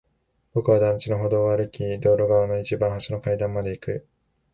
僕は団地の歩道を歩き、道路側の一番端の階段まで行く。